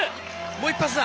もう一発だ！